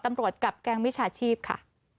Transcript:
ตำรวจกับแกงวิชาชีพค่ะ